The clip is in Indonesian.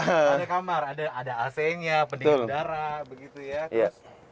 ada kamar ada ac nya pendingin darah begitu ya